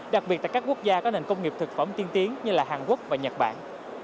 đặc biệt tại các quốc gia có nền công nghiệp thực phẩm tiên tiến như là hàn quốc và nhật bản